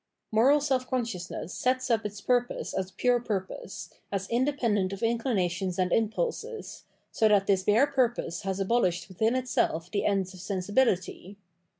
Moral self consciousness sets up its purpose a>s pure purpose, as independent of inclinations and impulses, so that this bare purpose has abolished within itself the ends of sensibility.